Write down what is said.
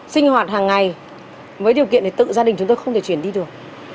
sinh hoạt hàng ngày với điều kiện để tự gia đình chúng tôi không thể chuyển đi được